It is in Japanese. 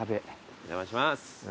お邪魔します。